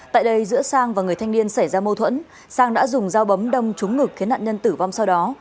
tại đây giữa sang và người thanh niên xảy ra mâu thuẫn sang đã dùng dao bấm đông trúng ngực khiến nạn nhân tử vong sau đó